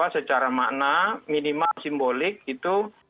secara makna minimal simbolik itu